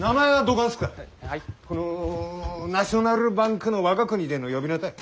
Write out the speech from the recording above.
この「ナショナルバンク」の我が国での呼び名たい。